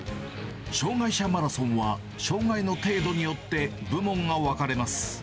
障害者マラソンは、障がいの程度によって、部門が分かれます。